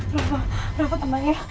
rafa rafa teman ya